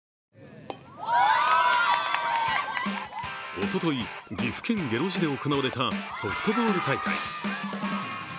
おととい、岐阜県下呂市で行われたソフトボール大会。